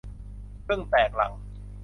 ผึ้งแตกรัง